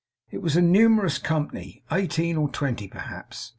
It was a numerous company eighteen or twenty perhaps.